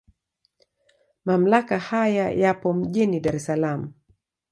Mamlaka haya yapo mjini Dar es Salaam.